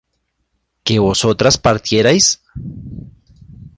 ¿que vosotras partierais?